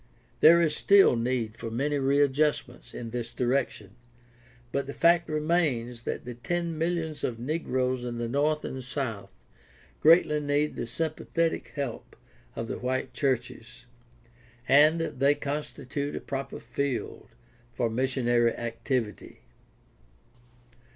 There is still need for many readjustments in this direction, but the fact remains that the ten millions of negroes in the North and South greatly need the sympa thetic help of the white churches, and they constitute a proper field for missionary activity.